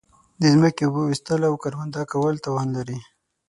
د زمکی اوبه ویستل او کرونده کول تاوان لری